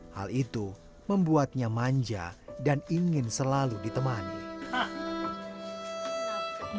hal itu membuatnya manja dan ingin selalu ditemani